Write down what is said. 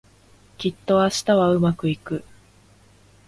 きっと明日はうまくいく